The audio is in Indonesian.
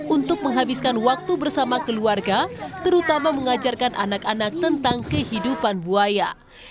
untuk menghabiskan waktu bersama keluarga terutama mengajarkan anak anak tentang kehidupan buaya